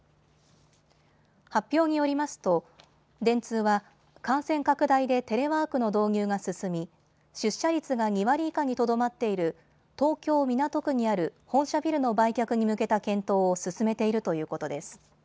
発表によりますと電通は感染拡大でテレワークの導入が進み出社率が２割以下にとどまっている東京港区にある本社ビルの売却に向けた検討を進めているということです。